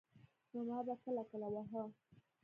نو ما به کله کله واهه.